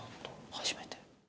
初めて。